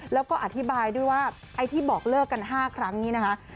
แล้วก็อธิบายด้วยว่าไอ้ที่บอกเลิกกัน๕ครั้งนี้นะคะ